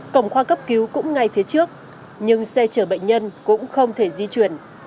cổng khoa cấp cứu cũng ngay phía trước nhưng xe chở bệnh nhân cũng không thể di chuyển